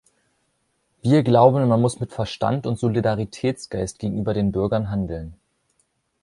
Wir glauben, man muss mit Verstand und Solidaritätsgeist gegenüber den Bürgern handeln.